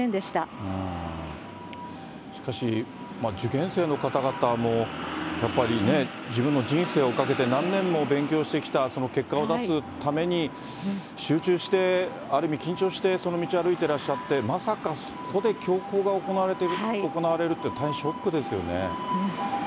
しかし、受験生の方々も、やっぱりね、自分の人生をかけて何年も勉強してきた、その結果を出すために集中して、ある意味、緊張してその道を歩いてらっしゃって、まさかそこで凶行が行われるって、大変ショックですよね。